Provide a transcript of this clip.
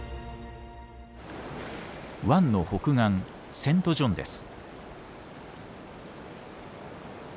湾の北岸セントジョンです。